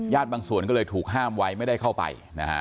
บางส่วนก็เลยถูกห้ามไว้ไม่ได้เข้าไปนะฮะ